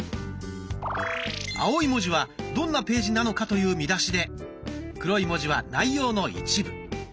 青い文字はどんなページなのかという見出しで黒い文字は内容の一部。